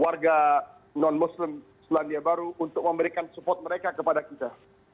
warga non muslim selandia baru untuk memberikan support mereka kepada kita